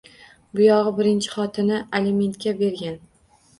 Buyog`i birinchi xotini alimentga bergan